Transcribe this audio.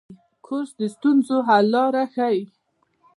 کورس د ستونزو حل لاره ښيي.